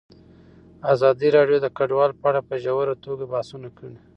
ازادي راډیو د کډوال په اړه په ژوره توګه بحثونه کړي.